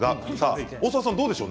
大沢さん、どうでしょう。